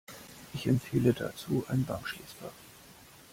Ich empfehle dazu ein Bankschließfach.